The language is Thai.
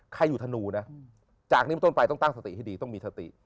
ใครอยู่ธนูนะจากนี้มันต้นไปต้องตั้งสติให้ดีต้องมีสติ